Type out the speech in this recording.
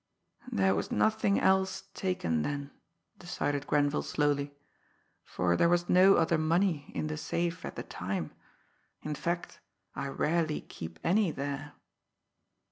"There was nothing else taken then," decided Grenville slowly; "for there was no other money in the safe at the time in fact, I rarely keep any there."